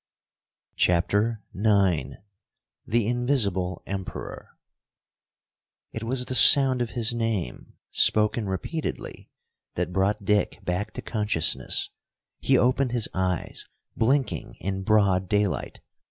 CHAPTER IX The Invisible Emperor It was the sound of his name, spoken repeatedly, that brought Dick back to consciousness. He opened his eyes, blinking in broad daylight.